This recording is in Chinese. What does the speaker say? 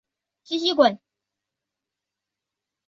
卡祖尔莱贝济耶。